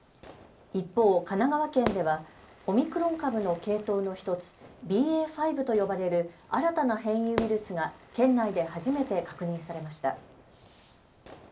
一方、神奈川県ではオミクロン株の系統の１つＢＡ．５と呼ばれる新たな変異ウイルスが県内で初めて確認されました。